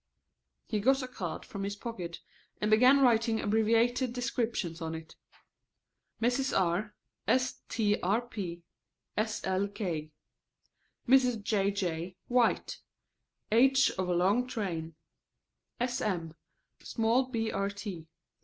He got a card from his pocket and began writing abbreviated descriptions on it. "Mrs. R. strp. slk." "Mrs. J. J. white; h. of a long train." "Sm. Small brt. Mrs.